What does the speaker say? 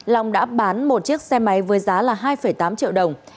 long đã bán một chiếc xe máy với giá là hai tám triệu đồng